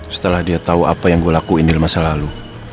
setelah dia tahu apa yang gue lakuin di masa lalu